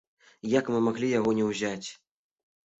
Як мы маглі яго не ўзяць?